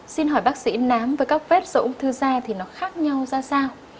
xin hỏi bác sĩ nám với các vết dỡ ung thư da thì nó khác nhau ra sao